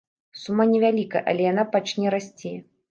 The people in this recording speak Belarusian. Сума невялікая, але яна пачне расці.